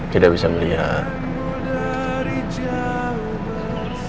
tidak bisa melihat